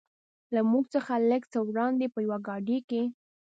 له موږ څخه لږ څه وړاندې په یوې ګاډۍ کې.